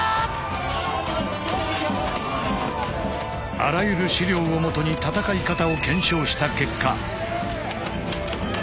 あらゆる史料をもとに戦い方を検証した結果。